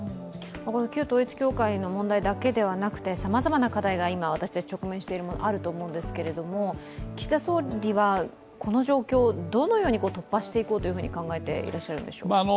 旧統一教会の問題だけではなくて、さまざまな問題に直面しているわけですが岸田総理はこの状況をどのように突破していこうと考えていらっしゃるんでしょうか。